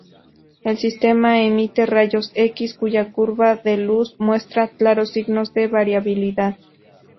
El sistema emite rayos X, cuya curva de luz muestra claros signos de variabilidad.